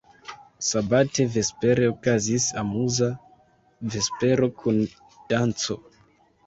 Sabate vespere okazis amuza vespero kun danco.